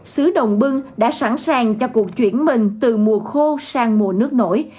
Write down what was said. xứ đồng bưng đã sẵn sàng cho cuộc chuyển mình từ mùa khô sang mùa nước nổi